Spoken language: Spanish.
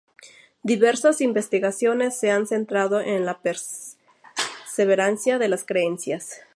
Diversas investigaciones se han centrado en la perseverancia de las creencias.